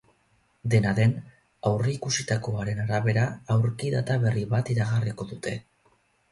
Dena den, aurreikusitakoaren arabera, aurki data berri bat iragarriko dute.